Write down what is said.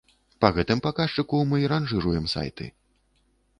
Па гэтым паказчыку мы і ранжыруем сайты.